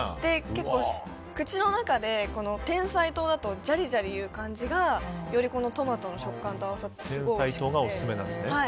結構、口の中でてんさい糖だとじゃりじゃりいう感じがよりトマトの食感と合わさってすごいおいしいです。